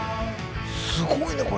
すごいねこれ。